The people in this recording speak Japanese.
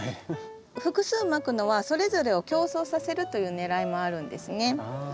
複数まくのはそれぞれを競争させるというねらいもあるんですね。